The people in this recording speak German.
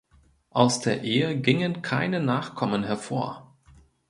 Aus der Ehe gingen keine Nachkommen hervor.